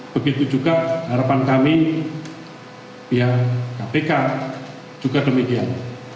begitu juga harapan kami pihak kpk juga demikian